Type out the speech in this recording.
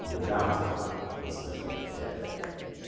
Without was the "Red Death."